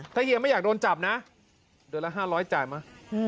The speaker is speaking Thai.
ถ้าเฮียไม่อยากโดนจับนะเดือนละ๕๐๐จ่ายมา